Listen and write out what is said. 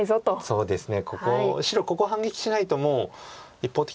そうですね。